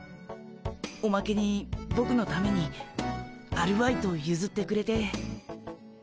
おまけにボクのためにアルバイトをゆずってくれて。